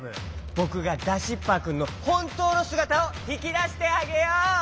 ぼくがダシッパーくんのほんとうのすがたをひきだしてあげよう！